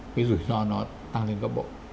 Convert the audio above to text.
cái rủi ro nó tăng lên gấp bộ